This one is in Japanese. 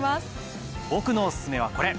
僕のおすすめはこれ！